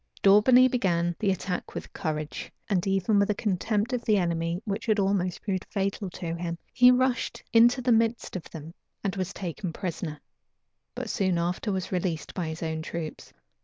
Daubeney began the attack with courage, and even with a contempt of the enemy which had almost proved fatal to him. He rushed into the midst of them, and was taken prisoner; but soon after was released by his own troops.